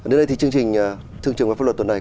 đến đây thì chương trình thương trường và pháp luật tuần này